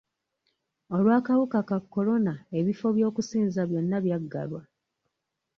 Olw'akawuka ka kolona, ebifo by'okusinza byonna by'aggalwa.